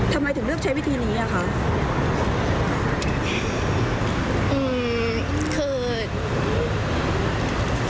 ทำไมถึงเลือกใช้วิธีนี้อ่ะคะ